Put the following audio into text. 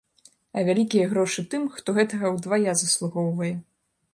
А вялікія грошы тым, хто гэтага ўдвая заслугоўвае.